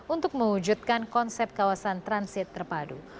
untuk mewujudkan konsep kawasan transit terpadu